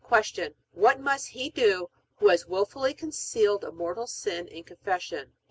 Q. What must he do who has wilfully concealed a mortal sin in Confession?